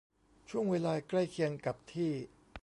ช่วงเวลาใกล้เคียงกับที่